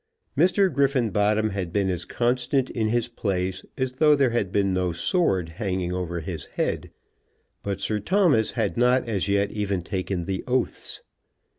Mr. Griffenbottom had been as constant in his place as though there had been no sword hanging over his head; but Sir Thomas had not as yet even taken the oaths.